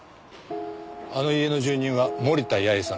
あの家の住人は森田八重さん